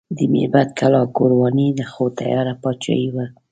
د میربت کلا ګورواني خو تیاره پاچاهي وه.